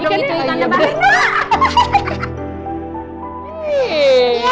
ikan ini ikannya berhina